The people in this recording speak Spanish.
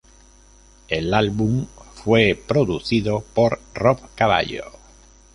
El álbum fue producido por Rob Cavallo.